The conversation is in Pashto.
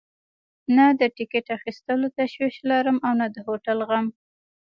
نه د ټکټ اخیستلو تشویش لرم او نه د هوټل غم.